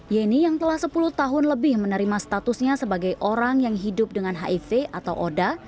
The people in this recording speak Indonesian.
yeni yang telah sepuluh tahun lebih menerima statusnya sebagai orang yang hidup dengan hiv atau oda